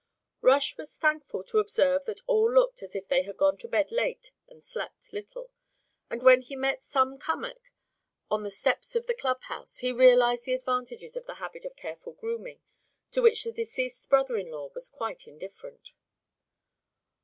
Rush was thankful to observe that all looked as if they had gone to bed late and slept little, and when he met Sam Cummack on the steps of the clubhouse he realised the advantages of the habit of careful grooming to which the deceased's brother in law was quite indifferent.